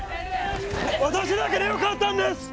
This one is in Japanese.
私だけでよかったんです！